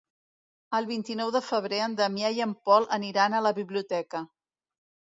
El vint-i-nou de febrer en Damià i en Pol aniran a la biblioteca.